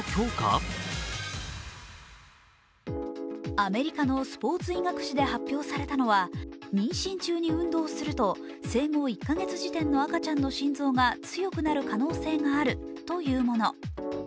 アメリカのスポーツ医学誌で発表されたのは妊娠中に運動すると生後１か月時点の赤ちゃんの心臓が強くなる可能性があるというもの。